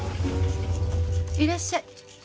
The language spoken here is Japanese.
いらっしゃい。